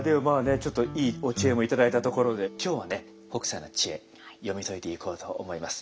ちょっといいお知恵も頂いたところで今日はね北斎の知恵読み解いていこうと思います。